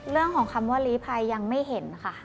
เรื่องของคำว่าลีภัยยังไม่เห็นค่ะ